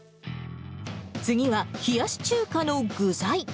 次は冷やし中華の具材。